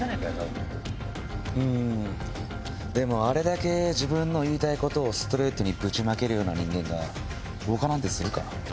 あれだけ自分の言いたいことをストレートにぶちまける人間が放火なんてするかな？